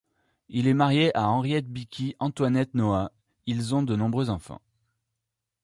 Il est marié à Henriette Bikie Antoinette Noah, ils ont de nombreux enfants.